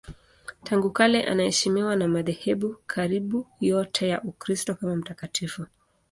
Tangu kale anaheshimiwa na madhehebu karibu yote ya Ukristo kama mtakatifu.